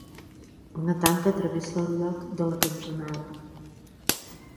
Una tanca travessa el lloc de la cantonada.